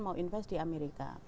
mau invest di amerika